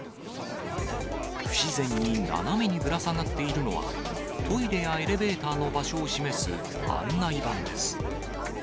不自然に斜めにぶら下がっているのは、トイレやエレベーターの場所を示す案内板です。